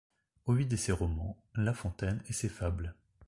Ovide et ses romans, La Fontaine et ses-fables